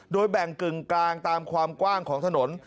โดยแบ่งกึ่งกลางตามความกว้างของถนน